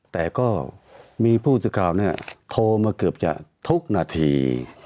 แต่ก็มีผู้สื่อข่าวโทรมาเกือบจะทุกนาที